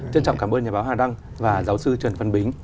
trân trọng cảm ơn nhà báo hà đăng và giáo sư trần văn bính